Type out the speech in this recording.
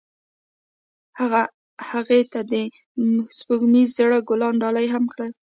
هغه هغې ته د سپوږمیز زړه ګلان ډالۍ هم کړل.